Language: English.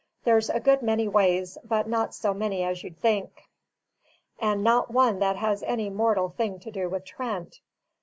There's a good many ways, but not so many as you'd think; and not one that has any mortal thing to do with Trent.